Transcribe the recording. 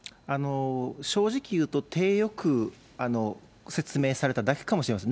正直言うと、ていよく説明されただけかもしれません。